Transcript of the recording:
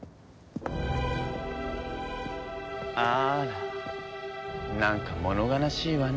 あらなんかもの悲しいわね